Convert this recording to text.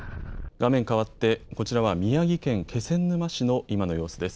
画面かわってこちらは宮城県気仙沼市の今の様子です。